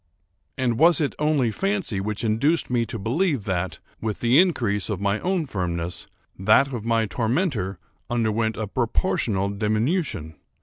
And was it only fancy which induced me to believe that, with the increase of my own firmness, that of my tormentor underwent a proportional diminution?